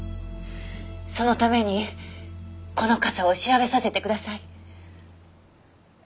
そのためにこの傘を調べさせてください。